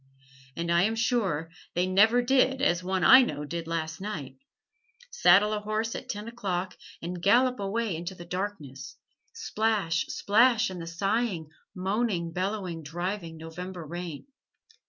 And I am sure they never did as one I know did last night: saddle a horse at ten o'clock and gallop away into the darkness; splash, splash in the sighing, moaning, bellowing, driving November rain.